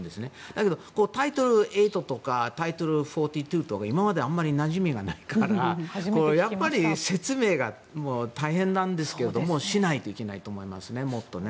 だけど、タイトル８とかタイトル４２とか今まであまりなじみがないからやっぱり説明が大変なんですけどももっと説明しないといけないと思います。